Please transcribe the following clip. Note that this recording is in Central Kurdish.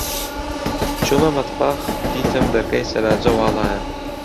چوومە مەتبەخ، دیتم دەرگای سەلاجە واڵایە.